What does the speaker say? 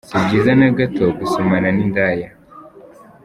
Si byiza na gato gusomana n’indaya.